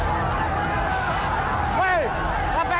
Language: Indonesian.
kita harus ke rumah